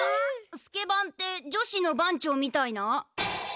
スケバンって女子の番長みたいな？